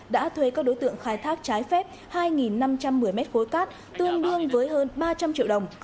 đã thuê các đối tượng khai thác trái phép hai năm trăm một mươi mét khối cát tương đương với hơn ba trăm linh triệu đồng